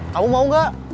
kamu mau gak